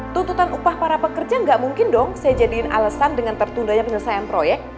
tuntutan upah para pekerja nggak mungkin dong saya jadiin alasan dengan tertundanya penyelesaian proyek